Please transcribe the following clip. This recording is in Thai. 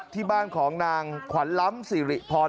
ที่บ้านของนางขวัญล้ำสิริพร